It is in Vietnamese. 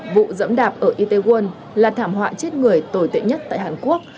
vụ dẫm đạp ở itaewon là thảm họa chết người tồi tệ nhất tại hàn quốc